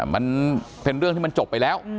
มันเป็นเรื่องที่มันจบไปแล้ว